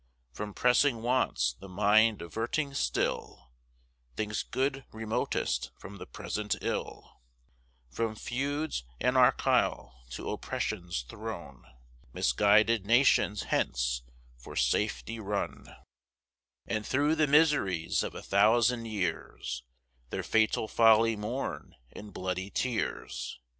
From pressing wants the mind averting still, Thinks good remotest from the present ill: From feuds anarchial to oppression's throne, Misguided nations hence for safety run; And through the miseries of a thousand years, Their fatal folly mourn in bloody tears.